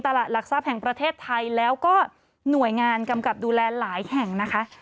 หลักทรัพย์แห่งประเทศไทยแล้วก็หน่วยงานกำกับดูแลหลายแห่งนะคะ